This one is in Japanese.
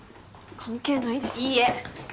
関係ないでしょいいえ！